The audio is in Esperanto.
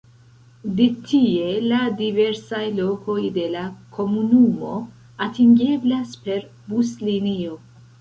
De tie la diversaj lokoj de la komunumo atingeblas per buslinio.